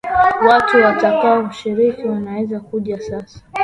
Watu watakao shiriki wanaweza kuja sasa